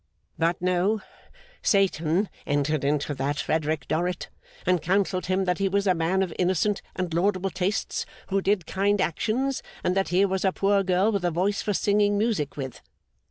But, no. Satan entered into that Frederick Dorrit, and counselled him that he was a man of innocent and laudable tastes who did kind actions, and that here was a poor girl with a voice for singing music with.